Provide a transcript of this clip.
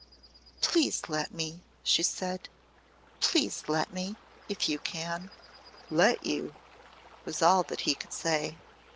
"Please let me," she said. "Please let me if you can!" "Let you!" was all that he could say.